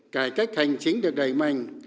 cải cách hành chính được đẩy mạnh